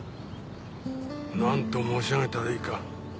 なんと申し上げたらいいか。